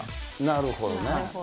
なるほどね。